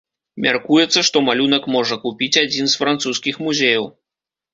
Мяркуецца, што малюнак можа купіць адзін з французскіх музеяў.